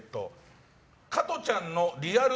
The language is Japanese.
加トちゃんのリアル